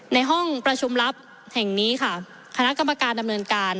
ในห้องประชุมลับแห่งนี้ค่ะคณะกรรมการดำเนินการ